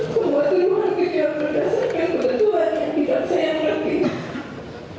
semua tujuan yang berdasarkan kebetulan yang dikatakan saya yang lebih